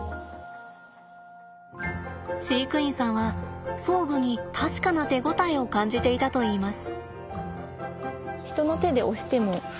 飼育員さんは装具に確かな手応えを感じていたといいます。